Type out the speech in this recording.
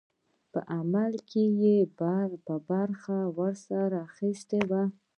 په عمل کې یې برخه ورسره اخیستې وه.